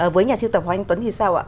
với nhà siêu tập hoàng anh tuấn thì sao ạ